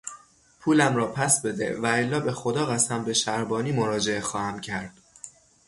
پولم را پس بده والا به خدا قسم به شهربانی مراجعه خواهم کرد!